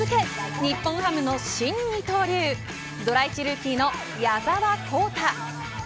日本ハムの新二刀流ドラ１ルーキーの矢澤宏太。